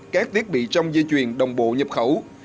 các thiết bị trong dây chuyền đồng bộ nhập khẩu